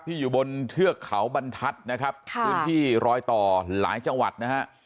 อยู่บนเทือกเขาบรรทัศน์นะครับพื้นที่รอยต่อหลายจังหวัดนะฮะ